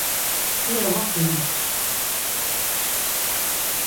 iya va qvilat.